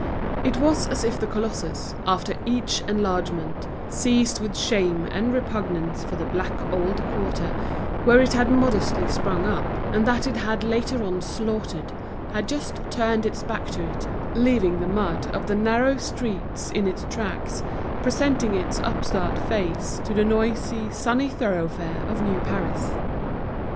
It was as if the colossus, after each enlargement, seized with shame and repugnance for the black old quarter, where it had modestly sprung up, and that it had later on slaughtered, had just turned its back to it, leaving the mud of the narrow streets in its track, presenting its upstart face to the noisy, sunny thoroughfare of new Paris.